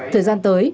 thời gian tới